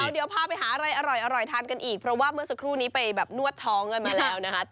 เดี๋ยวพาไปหาอะไรอร่อยทานกันอีกเพราะว่าเมื่อสักครู่นี้ไปแบบนวดท้องกันมาแล้วนะคะ